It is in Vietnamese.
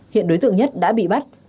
hiện đối tượng nhất đã bị bắt